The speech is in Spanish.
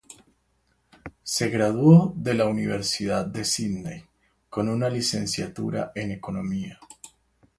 Se graduó de la Universidad de Sídney con una licenciatura en economía.